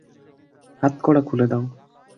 হাতকড়া খুলে দাও।